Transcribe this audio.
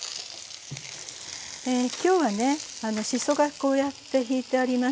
きょうはねしそがこうやってひいてあります。